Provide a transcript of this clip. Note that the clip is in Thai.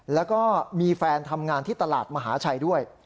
แล้วก็มีแฟนทำงานที่ตลาดมหาชัยด้วย